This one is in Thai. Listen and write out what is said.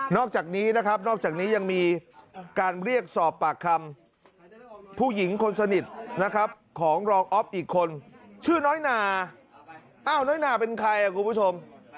อกจากนี้นะครับนอกจากนี้ยังมีการเรียกสอบปากคำผู้หญิงคนสนิทนะครับของรองอ๊อฟอีกคนชื่อน้อยนาอ้าวน้อยนาเป็นใครอ่ะคุณผู้ชม